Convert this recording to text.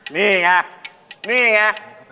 นี่ไงนี่ไง